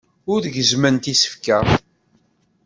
Ur gezzment isekla.